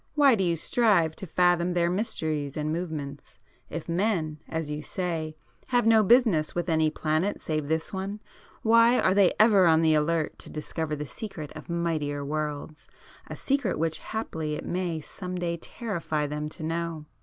Why do you strive to fathom their mysteries and movements? If men, as you say, have no business with any planet save this one why are they ever on the alert to discover the secret of mightier worlds,—a secret which haply it may some day terrify them to know!"